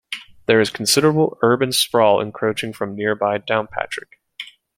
There is considerable urban sprawl encroaching from nearby Downpatrick.